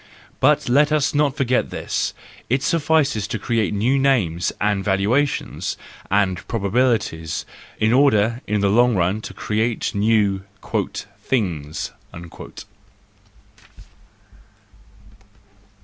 —But let us not forget this : it suffices to create new names and valuations and probabilities, in order in the long run to create new " things." 59 .